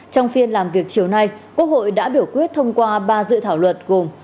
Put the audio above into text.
trong phiên làm việc chiều nay quốc hội đã biểu quyết thông qua ba dự thảo luật gồm